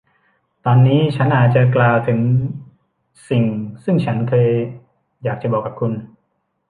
ตอนนี้ชั้นอาจจะกล่าวถึงสิ่งซึ่งฉันเคยอยากจะบอกกับคุณ